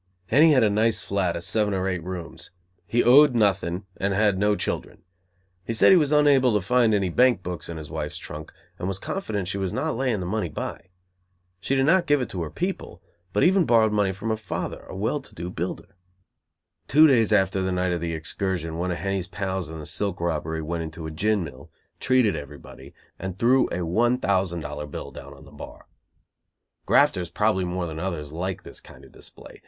Henny had a nice flat of seven or eight rooms; he owed nothing and had no children. He said he was unable to find any bank books in his wife's trunk, and was confident she was not laying the money by. She did not give it to her people, but even borrowed money from her father, a well to do builder. Two days after the night of the excursion, one of Henny's pals in the silk robbery, went into a gin mill, treated everybody, and threw a one thousand dollar bill down on the bar. Grafters, probably more than others, like this kind of display.